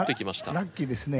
ラッキーですね